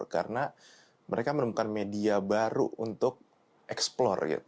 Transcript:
karena mereka menemukan media baru untuk eksplorasi